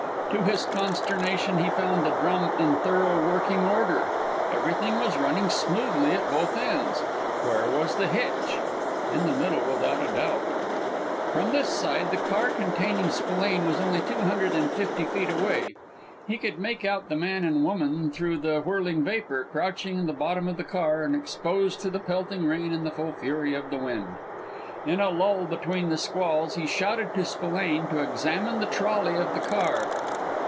To his consternation, he found the drum in thorough working order. Everything was running smoothly at both ends. Where was the hitch? In the middle, without a doubt. From this side, the car containing Spillane was only two hundred and fifty feet away. He could make out the man and woman through the whirling vapor, crouching in the bottom of the car and exposed to the pelting rain and the full fury of the wind. In a lull between the squalls he shouted to Spillane to examine the trolley of the car.